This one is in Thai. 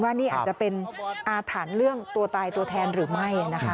นี่อาจจะเป็นอาถรรพ์เรื่องตัวตายตัวแทนหรือไม่นะคะ